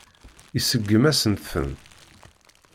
Iseggem-asent-ten.